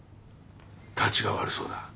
たちが悪そうだ。